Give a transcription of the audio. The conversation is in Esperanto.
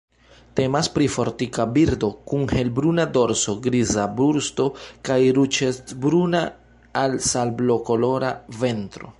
Temas pri fortika birdo, kun helbruna dorso, griza brusto kaj ruĝecbruna al sablokolora ventro.